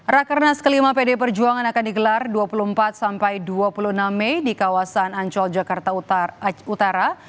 rakernas kelima pd perjuangan akan digelar dua puluh empat sampai dua puluh enam mei di kawasan ancol jakarta utara